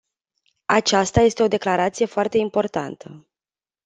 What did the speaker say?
Aceasta este o declarație foarte importantă.